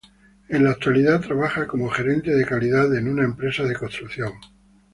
En la actualidad, trabaja como gerente de calidad en una empresa de construcción.